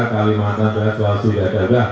kalimantan sudah ada sudah sudah sudah